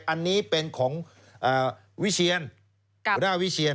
อันนี้เป็นของวิเชียนหัวหน้าวิเชียน